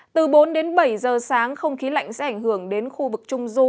từ bốn đến bảy giờ sáng không khí lạnh sẽ ảnh hưởng đến khu vực trung du